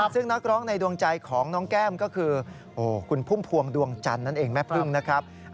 ซึ่งนักร้องในดวงใจของน้องแก้มก็คือคุณพุ่มพวงดวงจันทร์นั่นเองแม่พึ่งนะครับ